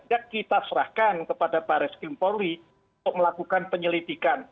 tidak kita serahkan kepada pak reskim polri untuk melakukan penyelidikan